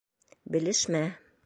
БЕЛЕШМӘ: